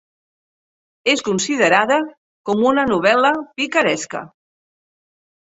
És considerada com una novel·la picaresca.